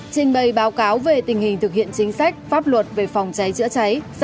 trình bày báo cáo về tình hình thực hiện chính sách pháp luật về phòng cháy chữa cháy